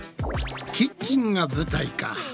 キッチンが舞台か。